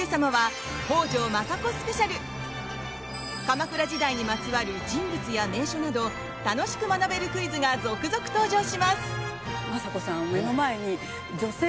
鎌倉時代にまつわる人物や名所など楽しく学べるクイズが続々登場します。